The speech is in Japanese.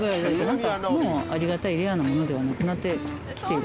何かもうありがたいレアなものではなくなってきてる